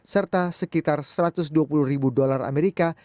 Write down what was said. serta sekitar satu ratus dua puluh ribu dolar amerika